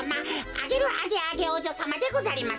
アゲル・アゲアゲおうじょさまでござりまするぞ。